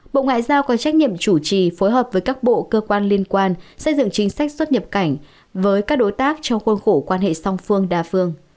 bộ ngoại giao có trách nhiệm chủ trì phối hợp với các bộ cơ quan liên quan xây dựng chính sách xuất nhập cảnh với các đối tác trong khuôn khổ quan hệ song phương đa phương